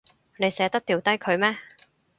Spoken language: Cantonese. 你捨得掉低佢咩？